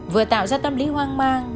vừa tạo ra tâm lý hoang mang